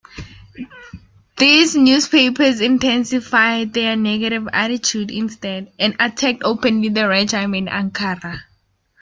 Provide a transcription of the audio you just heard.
These newspapers intensified their negative attitudes instead and attacked openly the regime in Ankara.